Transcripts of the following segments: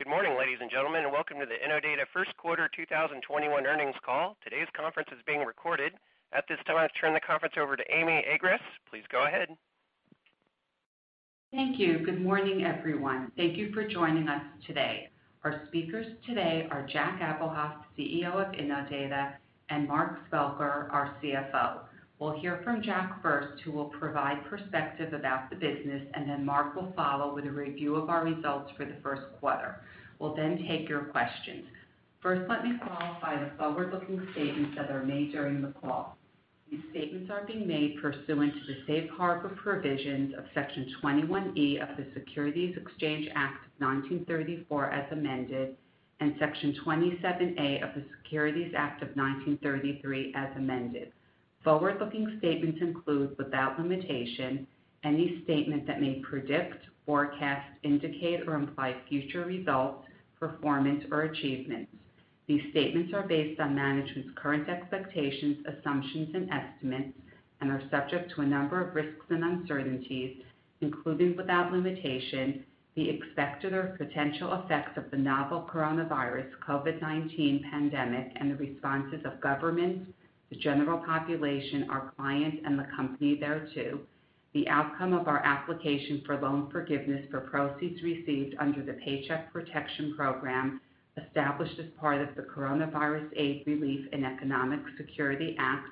Good morning, ladies and gentlemen, and welcome to the Innodata First Quarter 2021 Earnings Call. Today's conference is being recorded. At this time, I turn the conference over to Amy Agress. Please go ahead. Thank you. Good morning, everyone. Thank you for joining us today. Our speakers today are Jack Abuhoff, CEO of Innodata, and Mark Spelker, our CFO. We'll hear from Jack first, who will provide perspective about the business, and then Mark will follow with a review of our results for the first quarter. We'll then take your questions. First, let me qualify the forward-looking statements that are made during the call. These statements are being made pursuant to the safe harbor provisions of Section 21E of the Securities Exchange Act of 1934, as amended, and Section 27A of the Securities Act of 1933, as amended. Forward-looking statements include, without limitation, any statement that may predict, forecast, indicate, or imply future results, performance, or achievements. These statements are based on management's current expectations, assumptions, and estimates, and are subject to a number of risks and uncertainties, including, without limitation, the expected or potential effects of the novel coronavirus, COVID-19 pandemic, and the responses of government, the general population, our clients, and the company thereto, the outcome of our application for loan forgiveness for proceeds received under the Paycheck Protection Program established as part of the Coronavirus Aid, Relief, and Economic Security Act,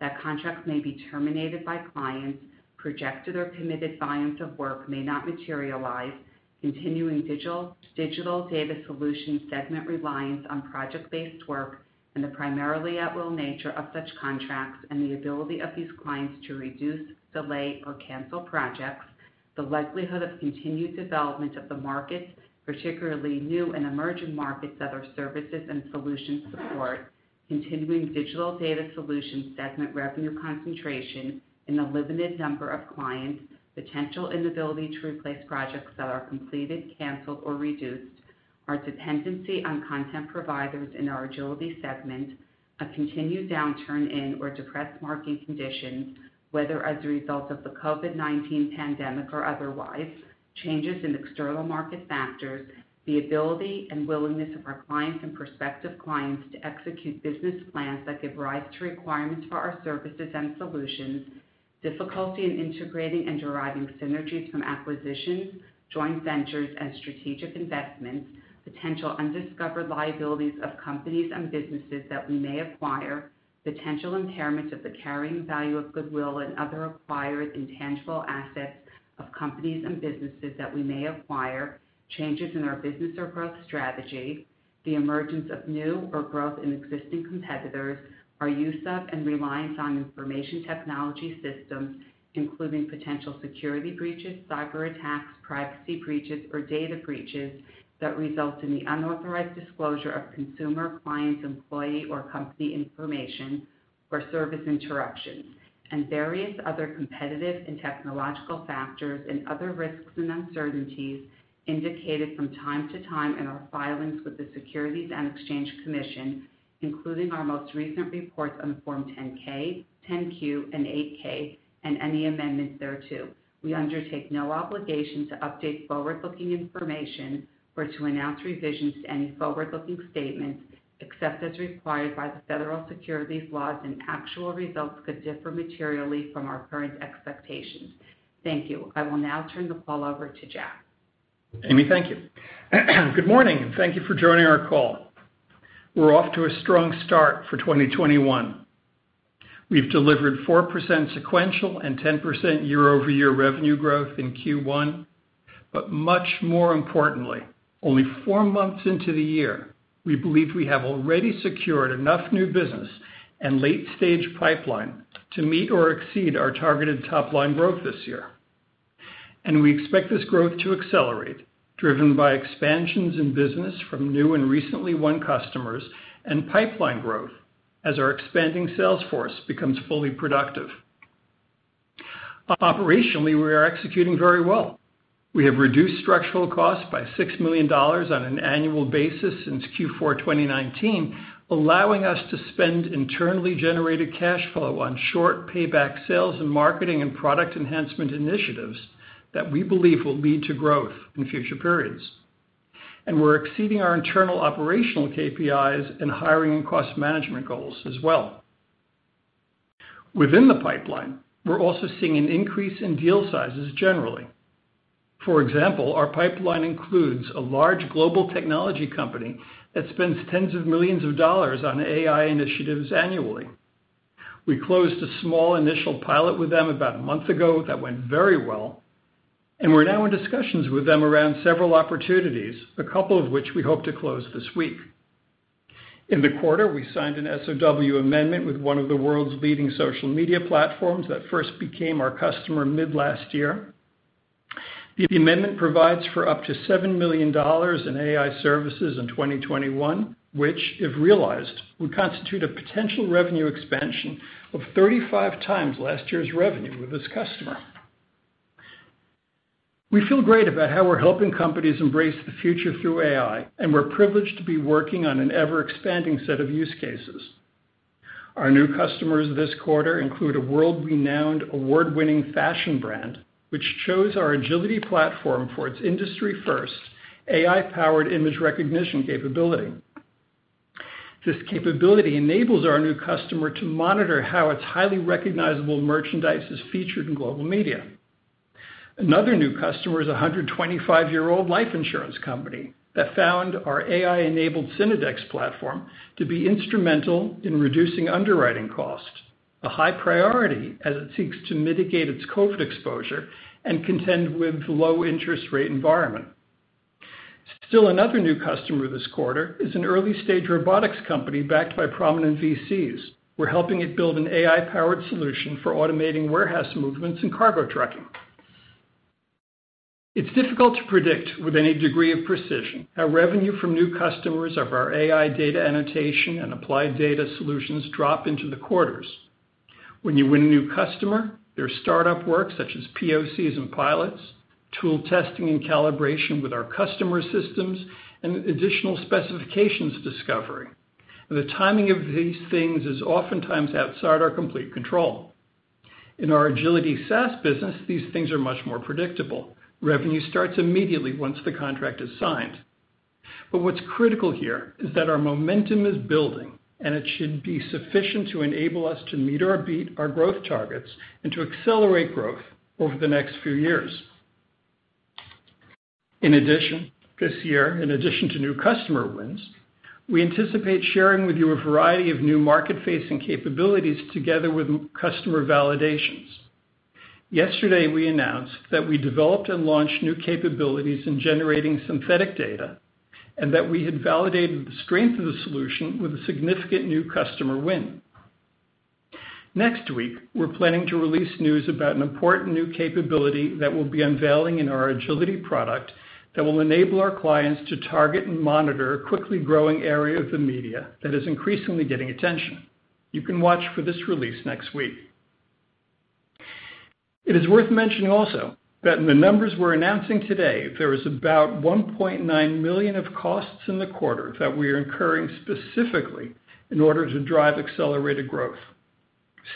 that contracts may be terminated by clients, projected or committed volumes of work may not materialize, continuing Digital Data Solutions segment reliance on project-based work, and the primarily at-will nature of such contracts, and the ability of these clients to reduce, delay, or cancel projects, the likelihood of continued development of the markets, particularly new and emerging markets that our services and solutions support, continuing Digital Data Solutions segment revenue concentration in a limited number of clients, potential inability to replace projects that are completed, canceled, or reduced, our dependency on content providers in our Agility segment, a continued downturn in or depressed market conditions, whether as a result of the COVID-19 pandemic or otherwise, changes in external market factors. The ability and willingness of our clients and prospective clients to execute business plans that give rise to requirements for our services and solutions, difficulty in integrating and deriving synergies from acquisitions, joint ventures, and strategic investments, potential undiscovered liabilities of companies and businesses that we may acquire, potential impairment of the carrying value of goodwill and other acquired intangible assets of companies and businesses that we may acquire, changes in our business or growth strategy, the emergence of new or growth in existing competitors, our use of and reliance on information technology systems, including potential security breaches, cyberattacks, privacy breaches, or data breaches that result in the unauthorized disclosure of consumer, clients, employee, or company information or service interruptions, and various other competitive and technological factors and other risks and uncertainties indicated from time to time in our filings with the Securities and Exchange Commission, including our most recent reports on Form 10-K, 10-Q, and 8-K, and any amendments thereto. We undertake no obligation to update forward-looking information or to announce revisions to any forward-looking statements except as required by the federal securities laws, and actual results could differ materially from our current expectations. Thank you. I will now turn the call over to Jack. Amy, thank you. Good morning, and thank you for joining our call. We're off to a strong start for 2021. We've delivered 4% sequential and 10% year-over-year revenue growth in Q1, but much more importantly, only four months into the year, we believe we have already secured enough new business and late-stage pipeline to meet or exceed our targeted top-line growth this year. And we expect this growth to accelerate, driven by expansions in business from new and recently won customers and pipeline growth as our expanding sales force becomes fully productive. Operationally, we are executing very well. We have reduced structural costs by $6 million on an annual basis since Q4 2019, allowing us to spend internally generated cash flow on short payback sales and marketing and product enhancement initiatives that we believe will lead to growth in future periods. We're exceeding our internal operational KPIs and hiring and cost management goals as well. Within the pipeline, we're also seeing an increase in deal sizes generally. For example, our pipeline includes a large global technology company that spends tens of millions of dollars on AI initiatives annually. We closed a small initial pilot with them about a month ago that went very well, and we're now in discussions with them around several opportunities, a couple of which we hope to close this week. In the quarter, we signed an SOW amendment with one of the world's leading social media platforms that first became our customer mid-last year. The amendment provides for up to $7 million in AI services in 2021, which, if realized, would constitute a potential revenue expansion of 35 times last year's revenue with this customer. We feel great about how we're helping companies embrace the future through AI, and we're privileged to be working on an ever-expanding set of use cases. Our new customers this quarter include a world-renowned, award-winning fashion brand, which chose our Agility platform for its industry-first, AI-powered image recognition capability. This capability enables our new customer to monitor how its highly recognizable merchandise is featured in global media. Another new customer is a 125-year-old life insurance company that found our AI-enabled Synodex platform to be instrumental in reducing underwriting cost, a high priority as it seeks to mitigate its COVID exposure and contend with a low-interest-rate environment. Still, another new customer this quarter is an early-stage robotics company backed by prominent VCs. We're helping it build an AI-powered solution for automating warehouse movements and cargo trucking. It's difficult to predict with any degree of precision how revenue from new customers of our AI data annotation and applied data solutions drop into the quarters. When you win a new customer, their startup work, such as POCs and pilots, tool testing and calibration with our customer systems, and additional specifications discovery. The timing of these things is often times outside our complete control. In our Agility SaaS business, these things are much more predictable. Revenue starts immediately once the contract is signed. But what's critical here is that our momentum is building, and it should be sufficient to enable us to meet or beat our growth targets and to accelerate growth over the next few years. In addition, this year, in addition to new customer wins, we anticipate sharing with you a variety of new market-facing capabilities together with customer validations. Yesterday, we announced that we developed and launched new capabilities in generating synthetic data and that we had validated the strength of the solution with a significant new customer win. Next week, we're planning to release news about an important new capability that we'll be unveiling in our Agility product that will enable our clients to target and monitor a quickly growing area of the media that is increasingly getting attention. You can watch for this release next week. It is worth mentioning also that in the numbers we're announcing today, there is about $1.9 million of costs in the quarter that we are incurring specifically in order to drive accelerated growth.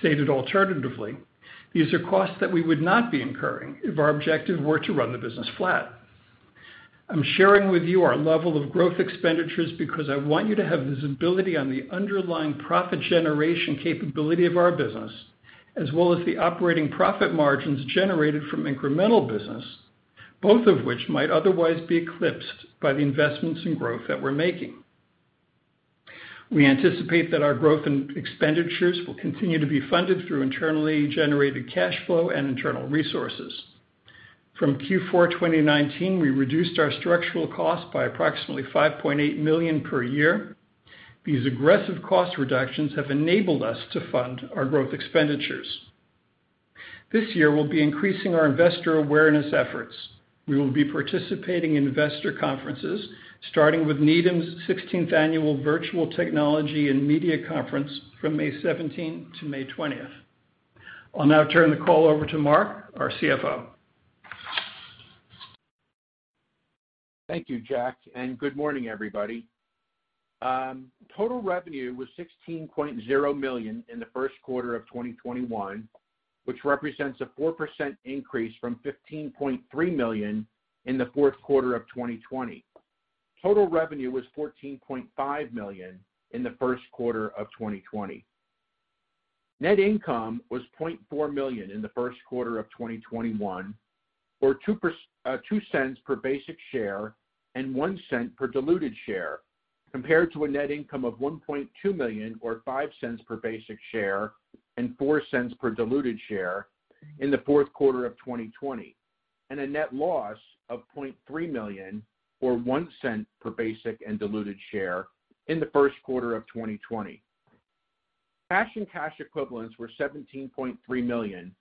Stated alternatively, these are costs that we would not be incurring if our objective were to run the business flat. I'm sharing with you our level of growth expenditures because I want you to have visibility on the underlying profit generation capability of our business, as well as the operating profit margins generated from incremental business, both of which might otherwise be eclipsed by the investments in growth that we're making. We anticipate that our growth and expenditures will continue to be funded through internally generated cash flow and internal resources. From Q4 2019, we reduced our structural costs by approximately $5.8 million per year. These aggressive cost reductions have enabled us to fund our growth expenditures. This year, we'll be increasing our investor awareness efforts. We will be participating in investor conferences, starting with Needham's 16th Annual Virtual Technology and Media Conference from May 17th to May 20th. I'll now turn the call over to Mark, our CFO. Thank you, Jack, and good morning, everybody. Total revenue was $16.0 million in the first quarter of 2021, which represents a 4% increase from $15.3 million in the fourth quarter of 2020. Total revenue was $14.5 million in the first quarter of 2020. Net income was $0.4 million in the first quarter of 2021, or $0.02 per basic share and $0.01 per diluted share, compared to a net income of $1.2 million, or $0.05 per basic share and $0.04 per diluted share in the fourth quarter of 2020, and a net loss of $0.3 million, or $0.01 per basic and diluted share in the first quarter of 2020. Cash and cash equivalents were $17.3 million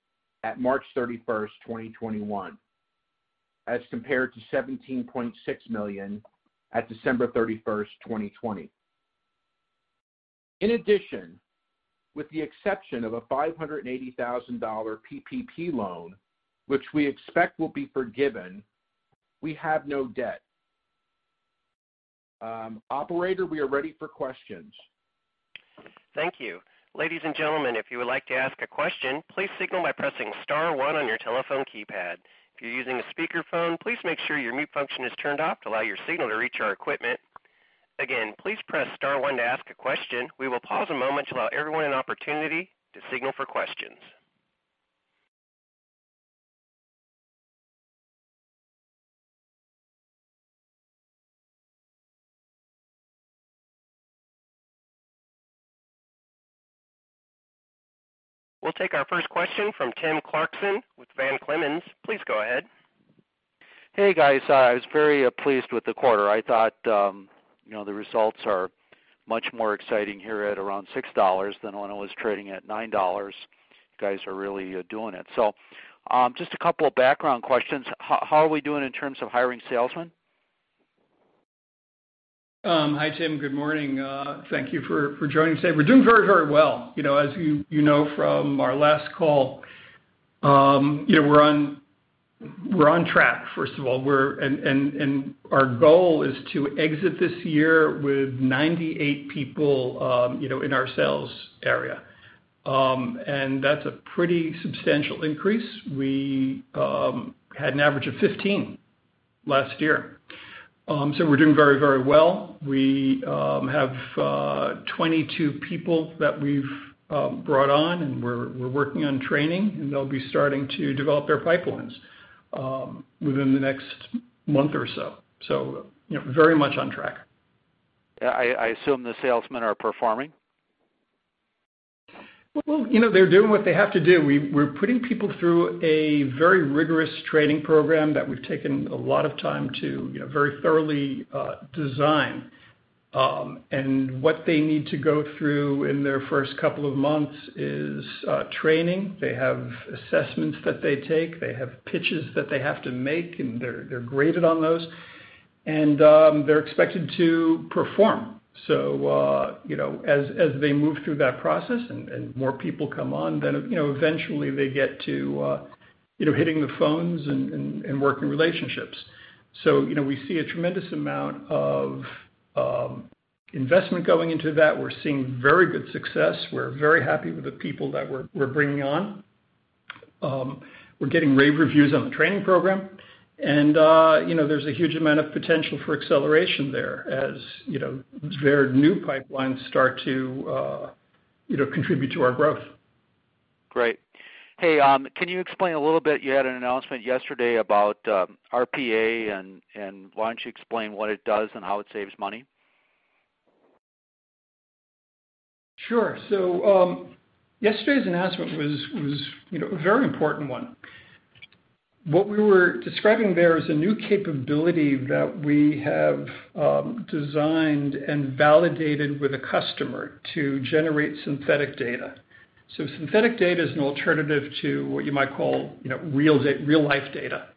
at March 31st, 2021, as compared to $17.6 million at December 31st, 2020. In addition, with the exception of a $580,000 PPP loan, which we expect will be forgiven, we have no debt. Operator, we are ready for questions. Thank you. Ladies and gentlemen, if you would like to ask a question, please signal by pressing star one on your telephone keypad. If you're using a speakerphone, please make sure your mute function is turned off to allow your signal to reach our equipment. Again, please press star one to ask a question. We will pause a moment to allow everyone an opportunity to signal for questions. We'll take our first question from Tim Clarkson with Van Clemens. Please go ahead. Hey, guys. I was very pleased with the quarter. I thought the results are much more exciting here at around $6 than when I was trading at $9. You guys are really doing it. So just a couple of background questions. How are we doing in terms of hiring salesmen? Hi, Tim. Good morning. Thank you for joining today. We're doing very, very well. As you know from our last call, we're on track, first of all, and our goal is to exit this year with 98 people in our sales area. That's a pretty substantial increase. We had an average of 15 last year, so we're doing very, very well. We have 22 people that we've brought on, and we're working on training, and they'll be starting to develop their pipelines within the next month or so, so very much on track. I assume the salesmen are performing? They're doing what they have to do. We're putting people through a very rigorous training program that we've taken a lot of time to very thoroughly design, and what they need to go through in their first couple of months is training. They have assessments that they take. They have pitches that they have to make, and they're graded on those. They're expected to perform, so as they move through that process and more people come on, then eventually they get to hitting the phones and working relationships, so we see a tremendous amount of investment going into that. We're seeing very good success. We're very happy with the people that we're bringing on. We're getting rave reviews on the training program, and there's a huge amount of potential for acceleration there as their new pipelines start to contribute to our growth. Great. Hey, can you explain a little bit? You had an announcement yesterday about RPA and why don't you explain what it does and how it saves money? Sure. So yesterday's announcement was a very important one. What we were describing there is a new capability that we have designed and validated with a customer to generate synthetic data. So synthetic data is an alternative to what you might call real-life data.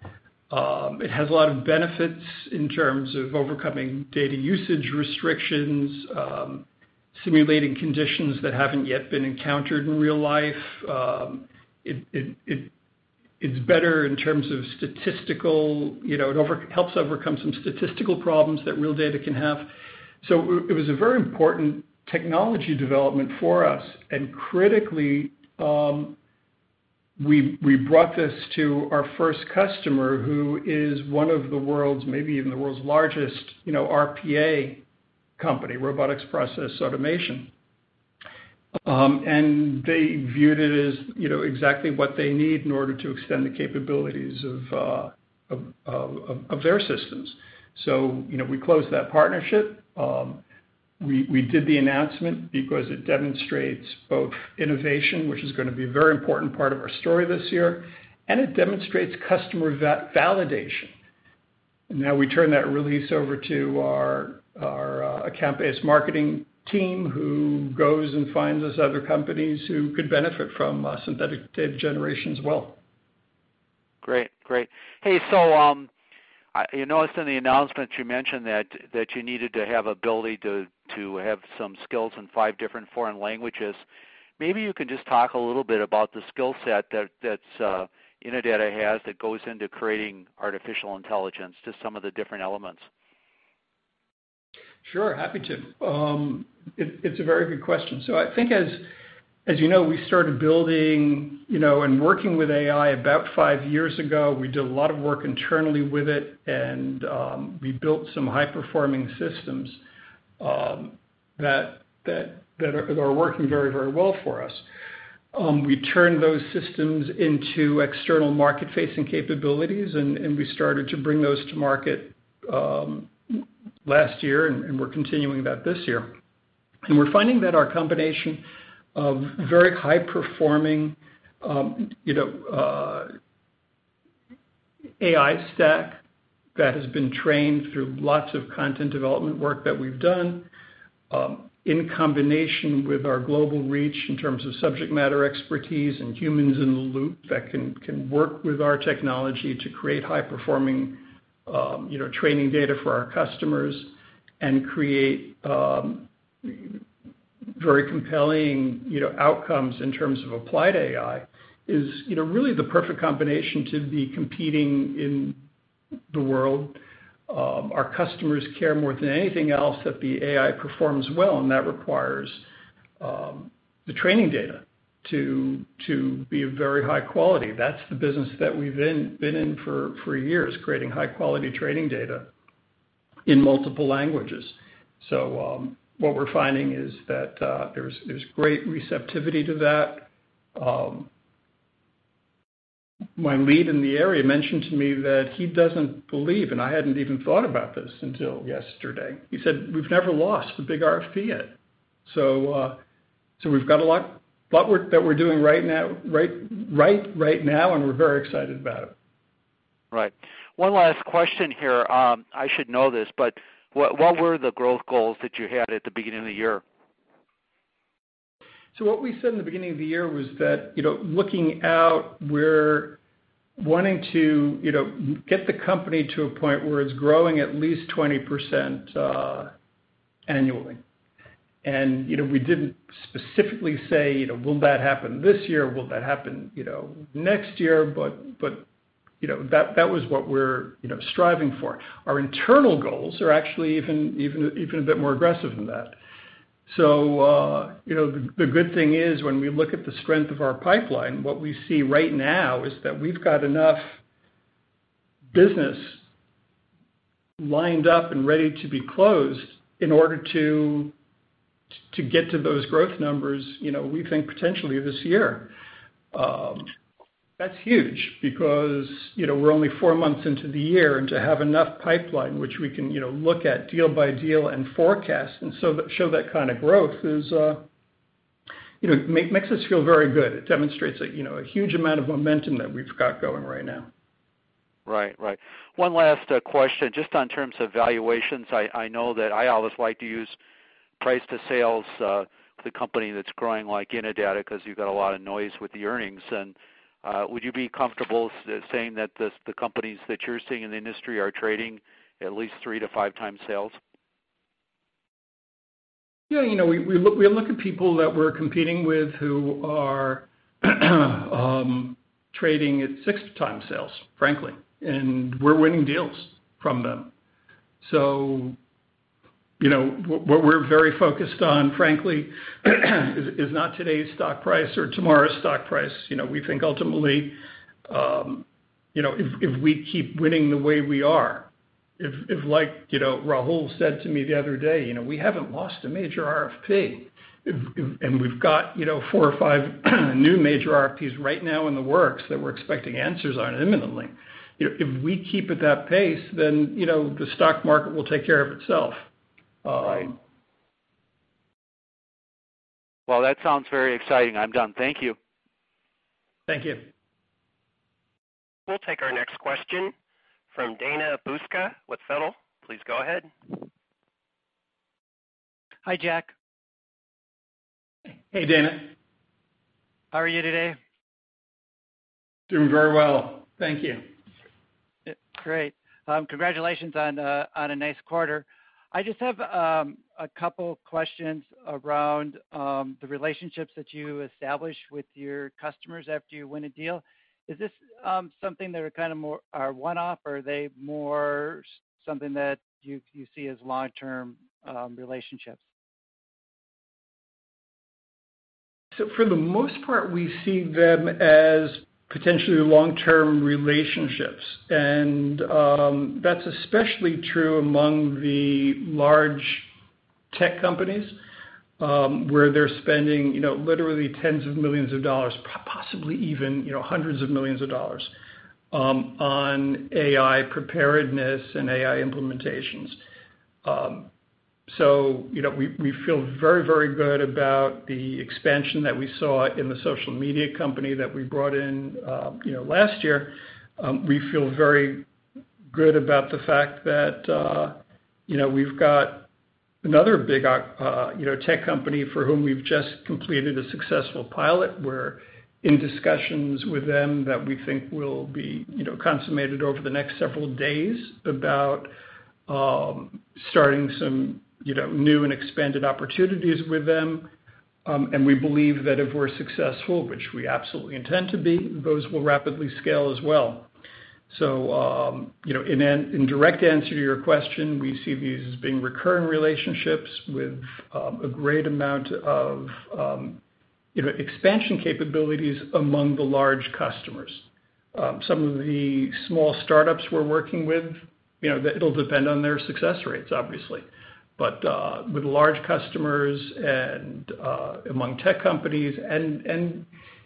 It has a lot of benefits in terms of overcoming data usage restrictions, simulating conditions that haven't yet been encountered in real life. It's better in terms of statistical. It helps overcome some statistical problems that real data can have. So it was a very important technology development for us. And critically, we brought this to our first customer, who is one of the world's, maybe even the world's largest RPA company, Robotic Process Automation. And they viewed it as exactly what they need in order to extend the capabilities of their systems. So we closed that partnership. We did the announcement because it demonstrates both innovation, which is going to be a very important part of our story this year, and it demonstrates customer validation. And now we turn that release over to our campus marketing team, who goes and finds us other companies who could benefit from synthetic data generation as well. Great. Great. Hey, so I noticed in the announcement you mentioned that you needed to have ability to have some skills in five different foreign languages. Maybe you can just talk a little bit about the skill set that Innodata has that goes into creating artificial intelligence, just some of the different elements. Sure. Happy to. It's a very good question. So I think, as you know, we started building and working with AI about five years ago. We did a lot of work internally with it, and we built some high-performing systems that are working very, very well for us. We turned those systems into external market-facing capabilities, and we started to bring those to market last year, and we're continuing that this year. And we're finding that our combination of very high-performing AI stack that has been trained through lots of content development work that we've done, in combination with our global reach in terms of subject matter expertise and humans in the loop that can work with our technology to create high-performing training data for our customers and create very compelling outcomes in terms of applied AI, is really the perfect combination to be competing in the world. Our customers care more than anything else that the AI performs well, and that requires the training data to be of very high quality. That's the business that we've been in for years, creating high-quality training data in multiple languages. So what we're finding is that there's great receptivity to that. My lead in the area mentioned to me that he doesn't believe, and I hadn't even thought about this until yesterday. He said, "We've never lost the big RFP yet." So we've got a lot of work that we're doing right now, and we're very excited about it. Right. One last question here. I should know this, but what were the growth goals that you had at the beginning of the year? What we said in the beginning of the year was that looking out, we're wanting to get the company to a point where it's growing at least 20% annually. We didn't specifically say, "Will that happen this year? Will that happen next year?" That was what we're striving for. Our internal goals are actually even a bit more aggressive than that. The good thing is when we look at the strength of our pipeline, what we see right now is that we've got enough business lined up and ready to be closed in order to get to those growth numbers we think potentially this year. That's huge because we're only four months into the year, and to have enough pipeline which we can look at deal by deal and forecast and show that kind of growth makes us feel very good. It demonstrates a huge amount of momentum that we've got going right now. Right. Right. One last question. Just in terms of valuations, I know that I always like to use price to sales for the company that's growing like Innodata because you've got a lot of noise with the earnings, and would you be comfortable saying that the companies that you're seeing in the industry are trading at least three to five times sales? Yeah. We look at people that we're competing with who are trading at six times sales, frankly, and we're winning deals from them. So what we're very focused on, frankly, is not today's stock price or tomorrow's stock price. We think ultimately, if we keep winning the way we are, if like Rahul said to me the other day, "We haven't lost a major RFP," and we've got four or five new major RFPs right now in the works that we're expecting answers on imminently, if we keep at that pace, then the stock market will take care of itself. Right. Well, that sounds very exciting. I'm done. Thank you. Thank you. We'll take our next question from Dana Buska with Feltl. Please go ahead. Hi, Jack. Hey, Dana. How are you today? Doing very well. Thank you. Great. Congratulations on a nice quarter. I just have a couple of questions around the relationships that you establish with your customers after you win a deal. Is this something that are kind of more one-off, or are they more something that you see as long-term relationships? So for the most part, we see them as potentially long-term relationships. And that's especially true among the large tech companies where they're spending literally tens of millions of dollars, possibly even hundreds of millions of dollars on AI preparedness and AI implementations. So we feel very, very good about the expansion that we saw in the social media company that we brought in last year. We feel very good about the fact that we've got another big tech company for whom we've just completed a successful pilot. We're in discussions with them that we think will be consummated over the next several days about starting some new and expanded opportunities with them. And we believe that if we're successful, which we absolutely intend to be, those will rapidly scale as well. So in direct answer to your question, we see these as being recurring relationships with a great amount of expansion capabilities among the large customers. Some of the small startups we're working with, it'll depend on their success rates, obviously. But with large customers and among tech companies and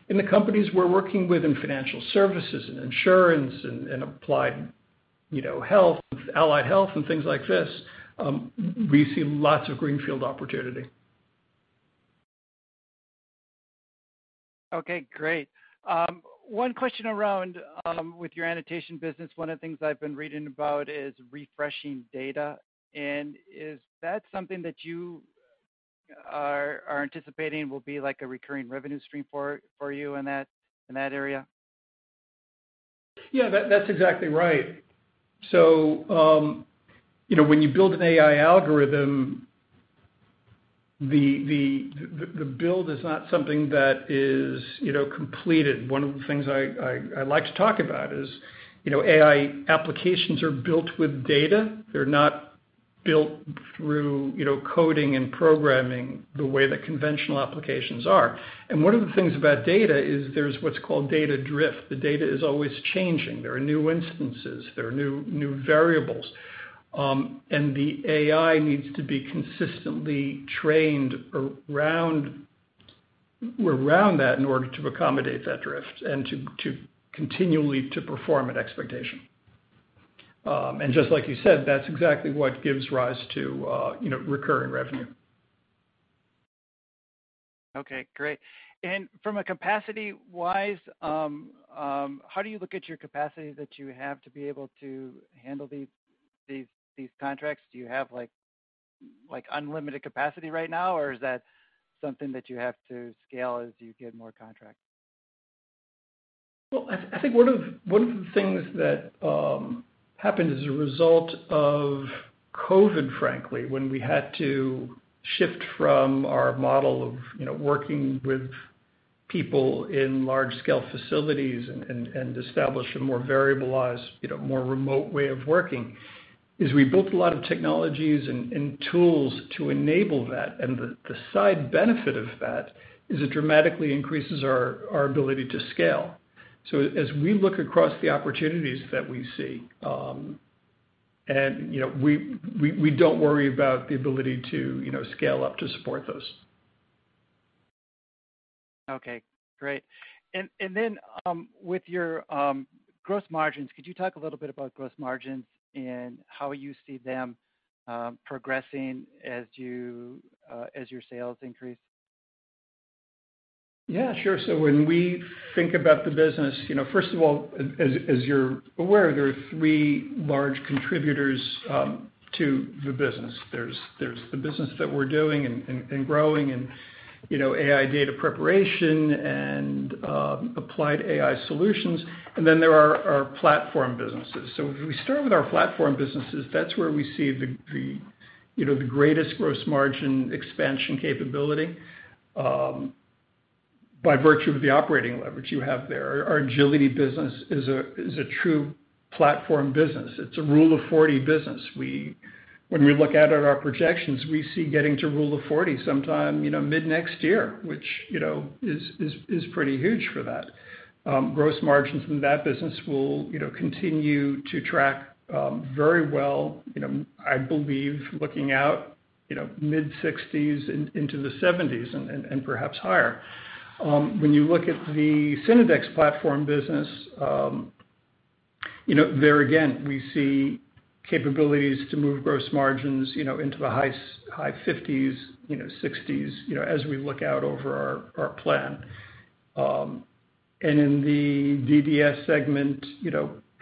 in the companies we're working with in financial services and insurance and applied health, allied health, and things like this, we see lots of greenfield opportunity. Okay. Great. One question around with your annotation business. One of the things I've been reading about is refreshing data, and is that something that you are anticipating will be like a recurring revenue stream for you in that area? Yeah. That's exactly right. So when you build an AI algorithm, the build is not something that is completed. One of the things I like to talk about is AI applications are built with data. They're not built through coding and programming the way that conventional applications are. And one of the things about data is there's what's called data drift. The data is always changing. There are new instances. There are new variables. And the AI needs to be consistently trained around that in order to accommodate that drift and to continually perform at expectation. And just like you said, that's exactly what gives rise to recurring revenue. Okay. Great. And from a capacity-wise, how do you look at your capacity that you have to be able to handle these contracts? Do you have unlimited capacity right now, or is that something that you have to scale as you get more contracts? I think one of the things that happened as a result of COVID, frankly, when we had to shift from our model of working with people in large-scale facilities and establish a more variabilized, more remote way of working, is we built a lot of technologies and tools to enable that. The side benefit of that is it dramatically increases our ability to scale. As we look across the opportunities that we see, and we don't worry about the ability to scale up to support those. Okay. Great. And then with your gross margins, could you talk a little bit about gross margins and how you see them progressing as your sales increase? Yeah. Sure. So when we think about the business, first of all, as you're aware, there are three large contributors to the business. There's the business that we're doing and growing in AI data preparation and applied AI solutions. And then there are our platform businesses. So if we start with our platform businesses, that's where we see the greatest gross margin expansion capability by virtue of the operating leverage you have there. Our Agility business is a true platform business. It's a Rule of 40 business. When we look at our projections, we see getting to Rule of 40 sometime mid-next year, which is pretty huge for that. Gross margins in that business will continue to track very well, I believe, looking out mid-60s into the 70s and perhaps higher. When you look at the Synodex platform business, there again, we see capabilities to move gross margins into the high 50s-60s as we look out over our plan, and in the DDS segment,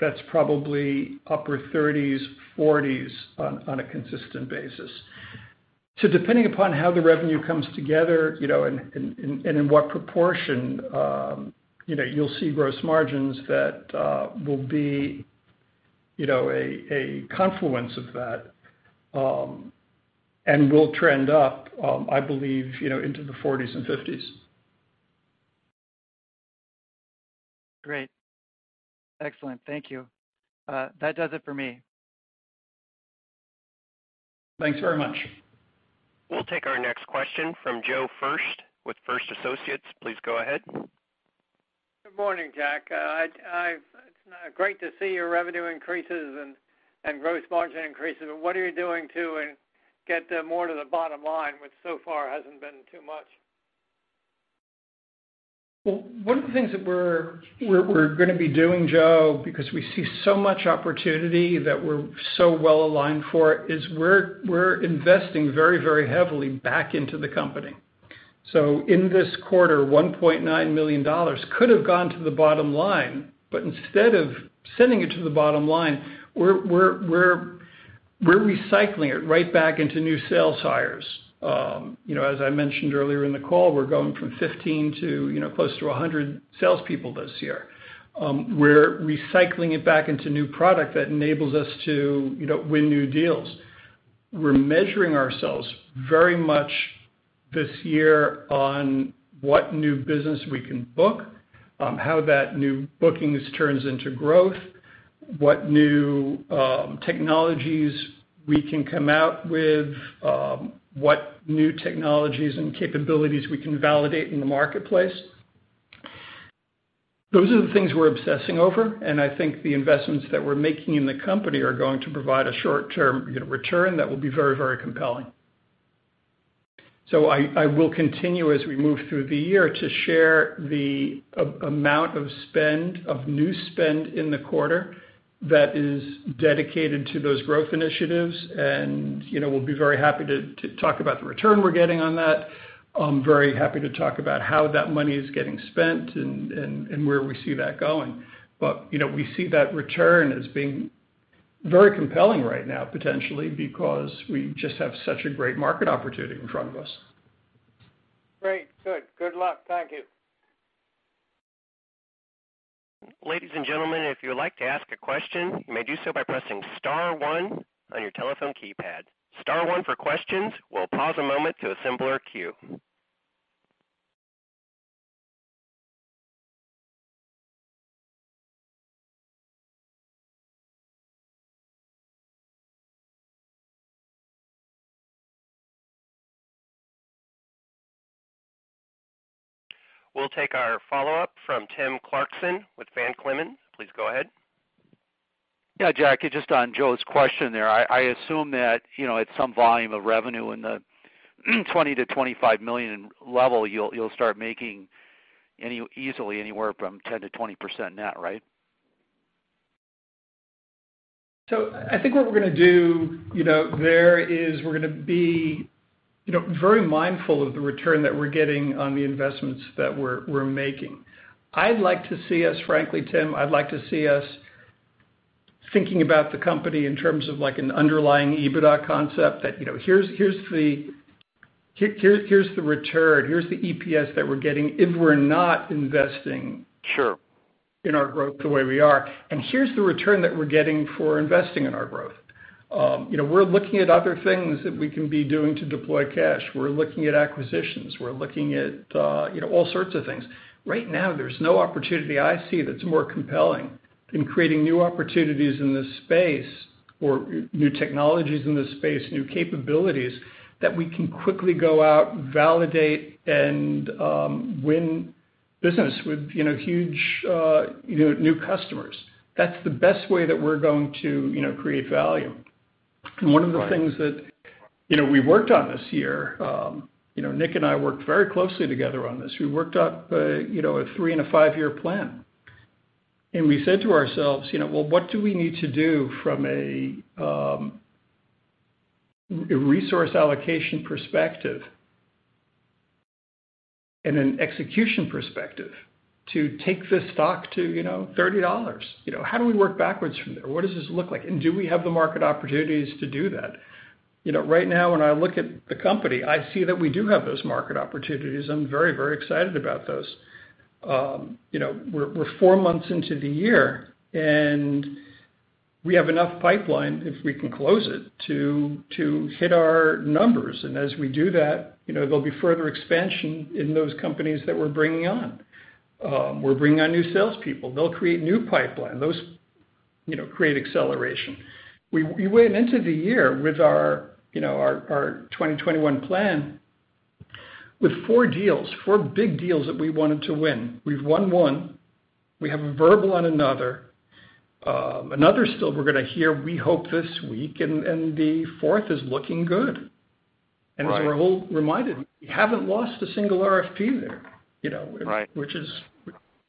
that's probably upper 30s-40s on a consistent basis, so depending upon how the revenue comes together and in what proportion, you'll see gross margins that will be a confluence of that and will trend up, I believe, into the 40s-50s. Great. Excellent. Thank you. That does it for me. Thanks very much. We'll take our next question from Joe Furst with Furst Associates. Please go ahead. Good morning, Jack. It's great to see your revenue increases and gross margin increases. But what are you doing to get more to the bottom line which so far hasn't been too much? One of the things that we're going to be doing, Joe, because we see so much opportunity that we're so well aligned for, is we're investing very, very heavily back into the company. So in this quarter, $1.9 million could have gone to the bottom line. But instead of sending it to the bottom line, we're recycling it right back into new sales hires. As I mentioned earlier in the call, we're going from 15 to close to 100 sales people this year. We're recycling it back into new product that enables us to win new deals. We're measuring ourselves very much this year on what new business we can book, how that new booking turns into growth, what new technologies we can come out with, what new technologies and capabilities we can validate in the marketplace. Those are the things we're obsessing over. And I think the investments that we're making in the company are going to provide a short-term return that will be very, very compelling. So I will continue as we move through the year to share the amount of new spend in the quarter that is dedicated to those growth initiatives. And we'll be very happy to talk about the return we're getting on that. I'm very happy to talk about how that money is getting spent and where we see that going. But we see that return as being very compelling right now, potentially, because we just have such a great market opportunity in front of us. Great. Good. Good luck. Thank you. Ladies and gentlemen, if you would like to ask a question, you may do so by pressing star one on your telephone keypad. Star one for questions. We'll pause a moment to assemble our queue. We'll take our follow-up from Tim Clarkson with Van Clemens. Please go ahead. Yeah, Jack. Just on Joe's question there, I assume that at some volume of revenue in the $20 million-$25 million level, you'll start making easily anywhere from 10%-20% net, right? So I think what we're going to do there is we're going to be very mindful of the return that we're getting on the investments that we're making. I'd like to see us, frankly, Tim, I'd like to see us thinking about the company in terms of an underlying EBITDA concept that here's the return. Here's the EPS that we're getting if we're not investing in our growth the way we are. And here's the return that we're getting for investing in our growth. We're looking at other things that we can be doing to deploy cash. We're looking at acquisitions. We're looking at all sorts of things. Right now, there's no opportunity I see that's more compelling than creating new opportunities in this space or new technologies in this space, new capabilities that we can quickly go out, validate, and win business with huge new customers. That's the best way that we're going to create value. And one of the things that we worked on this year, Nick and I worked very closely together on this. We worked up a three and a five-year plan. And we said to ourselves, "Well, what do we need to do from a resource allocation perspective and an execution perspective to take this stock to $30? How do we work backwards from there? What does this look like? And do we have the market opportunities to do that?" Right now, when I look at the company, I see that we do have those market opportunities. I'm very, very excited about those. We're four months into the year, and we have enough pipeline, if we can close it, to hit our numbers. And as we do that, there'll be further expansion in those companies that we're bringing on. We're bringing on new salespeople. They'll create new pipeline. Those create acceleration. We went into the year with our 2021 plan with four deals, four big deals that we wanted to win. We've won one. We have a verbal on another. Another still we're going to hear, we hope, this week, and the fourth is looking good, and as we're all reminded, we haven't lost a single RFP there,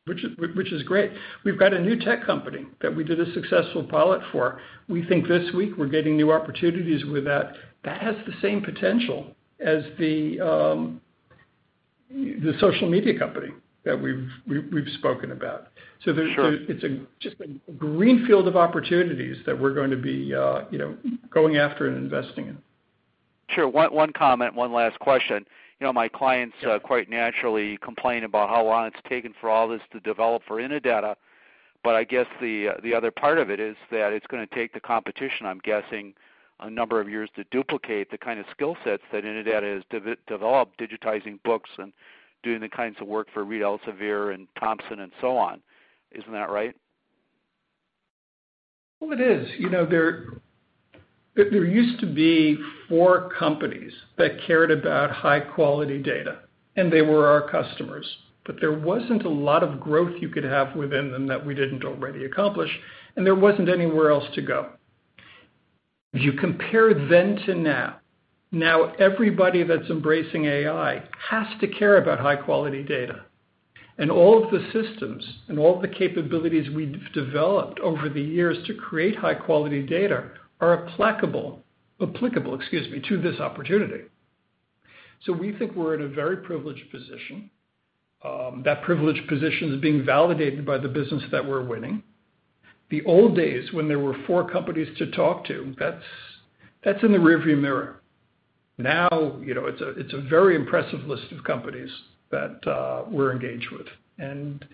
which is great. We've got a new tech company that we did a successful pilot for. We think this week we're getting new opportunities with that. That has the same potential as the social media company that we've spoken about, so it's just a greenfield of opportunities that we're going to be going after and investing in. Sure. One comment, one last question. My clients quite naturally complain about how long it's taken for all this to develop for Innodata. But I guess the other part of it is that it's going to take the competition, I'm guessing, a number of years to duplicate the kind of skill sets that Innodata has developed, digitizing books and doing the kinds of work for Reed Elsevier and Thomson and so on. Isn't that right? It is. There used to be four companies that cared about high-quality data, and they were our customers. But there wasn't a lot of growth you could have within them that we didn't already accomplish. And there wasn't anywhere else to go. If you compare then to now, now everybody that's embracing AI has to care about high-quality data. And all of the systems and all of the capabilities we've developed over the years to create high-quality data are applicable, excuse me, to this opportunity. So we think we're in a very privileged position. That privileged position is being validated by the business that we're winning. The old days when there were four companies to talk to, that's in the rearview mirror. Now it's a very impressive list of companies that we're engaged with. And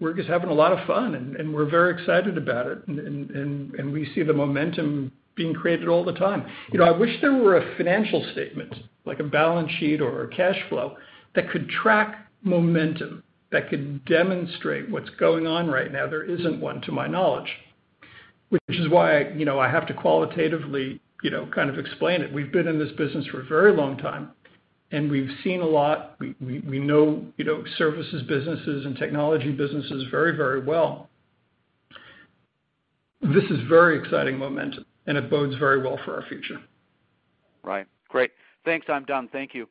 we're just having a lot of fun, and we're very excited about it. We see the momentum being created all the time. I wish there were a financial statement, like a balance sheet or a cash flow that could track momentum, that could demonstrate what's going on right now. There isn't one, to my knowledge, which is why I have to qualitatively kind of explain it. We've been in this business for a very long time, and we've seen a lot. We know services businesses and technology businesses very, very well. This is very exciting momentum, and it bodes very well for our future. Right. Great. Thanks. I'm done. Thank you.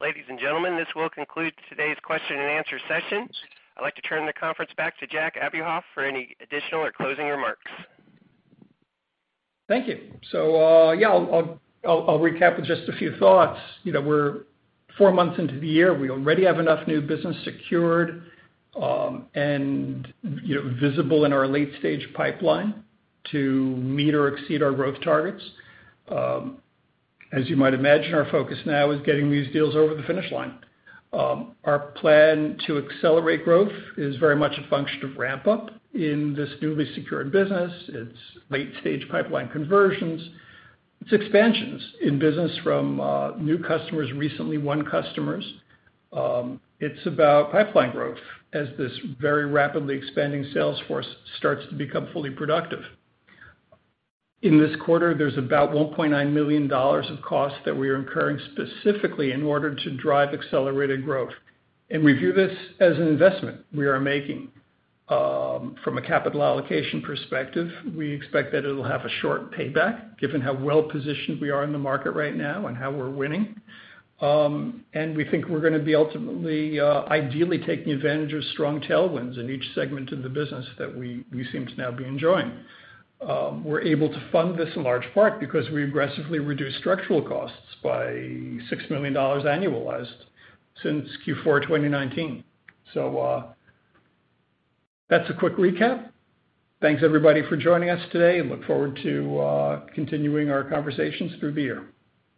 Ladies and gentlemen, this will conclude today's question and answer session. I'd like to turn the conference back to Jack Abuhoff for any additional or closing remarks. Thank you. So yeah, I'll recap with just a few thoughts. We're four months into the year. We already have enough new business secured and visible in our late-stage pipeline to meet or exceed our growth targets. As you might imagine, our focus now is getting these deals over the finish line. Our plan to accelerate growth is very much a function of ramp-up in this newly secured business. It's late-stage pipeline conversions. It's expansions in business from new customers, recently won customers. It's about pipeline growth as this very rapidly expanding sales force starts to become fully productive. In this quarter, there's about $1.9 million of costs that we are incurring specifically in order to drive accelerated growth. And we view this as an investment we are making. From a capital allocation perspective, we expect that it'll have a short payback given how well-positioned we are in the market right now and how we're winning. And we think we're going to be ultimately, ideally, taking advantage of strong tailwinds in each segment of the business that we seem to now be enjoying. We're able to fund this in large part because we aggressively reduced structural costs by $6 million annualized since Q4 2019. So that's a quick recap. Thanks, everybody, for joining us today. Look forward to continuing our conversations through the year.